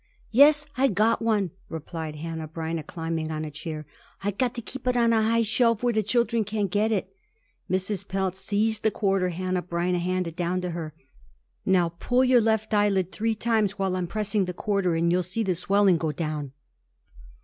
"Yes, I got one," replied Hanneh Breineh, climbing on a chair. "I got to keep it on a high shelf where the children can't get it." Mrs. Pelz seized the quarter Hanneh Breineh handed down to her. "Now pull your left eyelid three times while I'm pressing the quarter, and you will see the swelling go down."